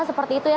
seperti itu ya